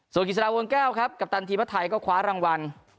ส่วนกิจสุดาววลเกล้าครับกัปตันทีมพระไทยก็คว้ารางวัล